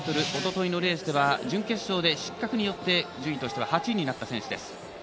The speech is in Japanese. １０００ｍおとといのレースでは準決勝で失格によって順位としては８位になった選手です。